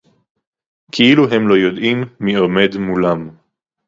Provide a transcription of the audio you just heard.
כאילו הם לא יודעים מי עומד מולם